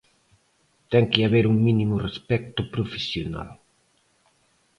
Ten que haber un mínimo respecto profesional.